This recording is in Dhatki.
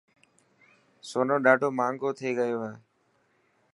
سونو ڏاڌو ماهنگو ٿي گيو هي.